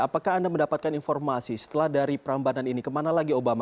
apakah anda mendapatkan informasi setelah dari prambanan ini kemana lagi obama